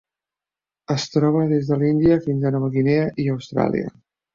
Es troba des de l'Índia fins a Nova Guinea i Austràlia.